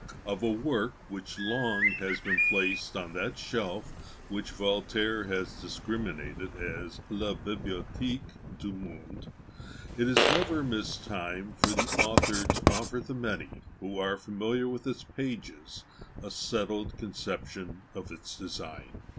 Of a work which long has been placed on that shelf which Voltaire has discriminated as la Bibliothèque du Monde, it is never mistimed for the author to offer the many, who are familiar with its pages, a settled conception of its design.